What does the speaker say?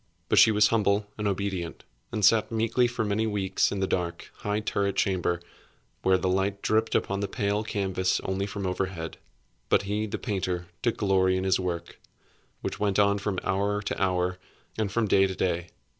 But she was humble and obedient, and sat meekly for many weeks in the dark, high turret chamber where the light dripped upon the pale canvas only from overhead. But he, the painter, took glory in his work, which went on from hour to hour, and from day to day.